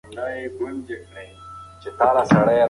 انا خپل لمونځ په یوه سړه خونه کې کاوه.